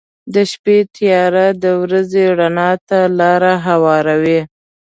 • د شپې تیاره د ورځې رڼا ته لاره هواروي.